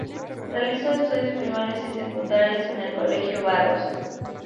Realizó estudios primarios y secundarios en el Colegio Barros.